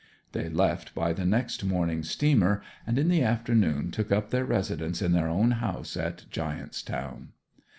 They left by the next morning steamer, and in the afternoon took up their residence in their own house at Giant's Town.